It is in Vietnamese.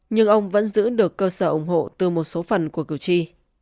nhưng ông vẫn giữ được cơ sở ủng hộ từ một số phần của cử tri